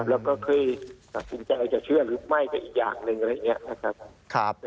แล้วก็สินใจจะเชื่อหรือไม่กับอีกอย่างหนึ่งนะครับ